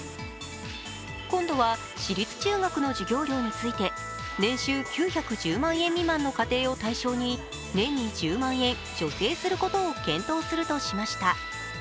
今度は私立中学の授業料について年収９１０万円未満の家庭を対象に年に１０万円、助成することを検討するとしました。